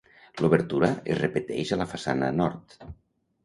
L'obertura es repeteix a la façana nord.